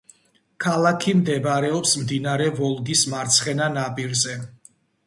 ქალაქი მდებარეობს მდინარე ვოლგის მარცხენა ნაპირზე.